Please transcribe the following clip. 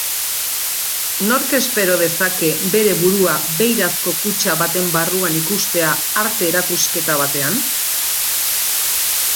Nork espero dezake bere burua beirazko kutxa baten barruan ikustea arte erakusketa batean?